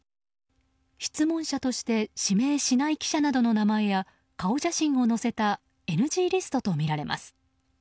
質問者として指名しない記者の名前や顔写真を載せたＮＧリストとみられます。